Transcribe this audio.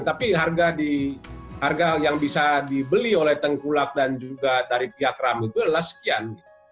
tapi harga yang bisa dibeli oleh tengkulak dan juga dari pihak ram itu adalah sekian